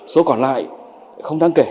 số còn lại không đáng kể